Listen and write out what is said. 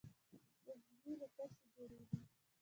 عضوې له څه شي جوړې دي؟